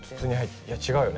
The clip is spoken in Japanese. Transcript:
いや違うよね。